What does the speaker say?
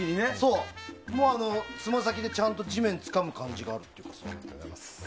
もう、つま先でちゃんと地面つかむ感じがあって。